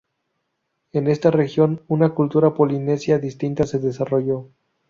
En esta región, una cultura polinesia distinta se desarrolló.